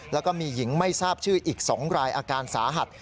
แล้วก็มีหญิงไม่ทราบชื่ออีก๒รายอาการสาหัส